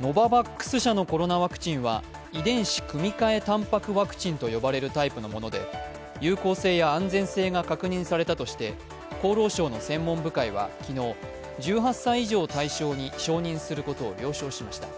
ノババックス社のコロナワクチンは遺伝子組み換えたんぱくワクチンと呼ばれるタイプのもので有効性や安全性が確認されたとして厚労省の専門部会は昨日、１８歳以上を対象に承認することを了承しました。